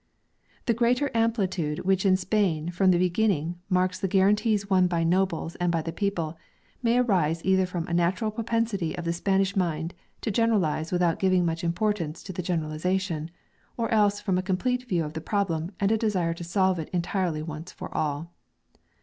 The greater amplitude which in Spain from the be ginning marks the guarantees won by nobles and by the people, may arise either from a natural propensity of the Spanish mind to generalize without giving much importance to the generalization, or else from a com plete view of the problem and a desire to solve it entirely once for all.